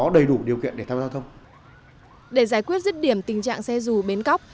để giải quyết dứt điểm tình trạng xe dù bến cóc